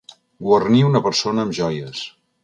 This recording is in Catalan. Guarnir una persona amb joies.